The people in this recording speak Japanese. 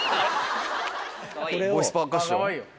ボイスパーカッション？